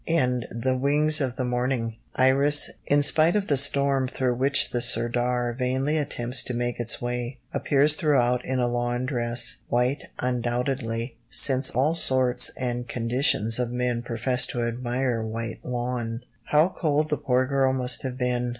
In The Wings of the Morning, Iris, in spite of the storm through which the Sirdar vainly attempts to make its way, appears throughout in a "lawn dress" white, undoubtedly, since all sorts and conditions of men profess to admire white lawn! How cold the poor girl must have been!